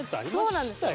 そうなんですよ。